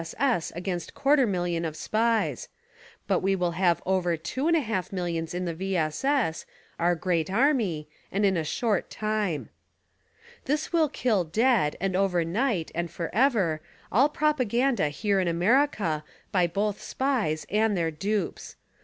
S. S. against quarter m.illion of SPIES ; but we will have over two and a half millions in the V. S. S. — our great army, — and in a short timxC. This will kill dead, and over night, and forever, all propaganda here in America by both SPIES and their DUPES.